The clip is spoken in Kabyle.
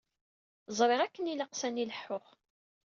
Ẓriɣ akken ilaq sani leḥḥuɣ.